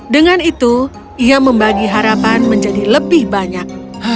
dengan itu ia membagi harapan menjadi lebih banyak